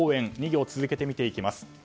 ２行続けて見ていきます。